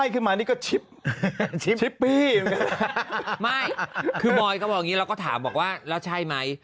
คือบอยก็บอกอย่างนี้เราก็ถามบอกว่าแล้วใช่ไหม